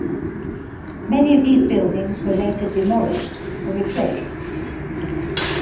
Many of these buildings were later demolished or replaced.